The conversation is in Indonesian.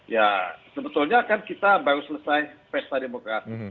ya sebetulnya kan kita baru selesai pesta demokrasi